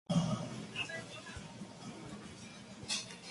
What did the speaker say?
Es la tercera categoría profesional tras la Liga Endesa y la Leb Oro.